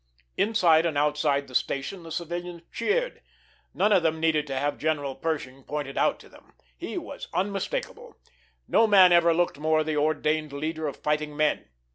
Inside and outside the station the civilians cheered. None of them needed to have General Pershing pointed out to them. He was unmistakable. No man ever looked more the ordained leader of fighting men.